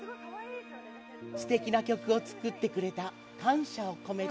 すてきな曲を作ってくれた感謝を込めて。